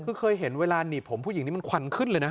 คือเคยเห็นเวลาหนีบผมผู้หญิงนี่มันควันขึ้นเลยนะ